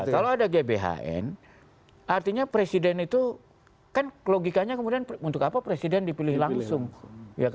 kalau ada gbhn artinya presiden itu kan logikanya kemudian untuk apa presiden dipilih langsung